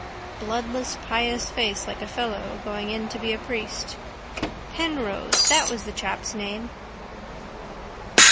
Bloodless pious face like a fellow going in to be a priest. Penrose! That was that chap's name.